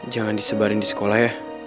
jangan disebarin di sekolah ya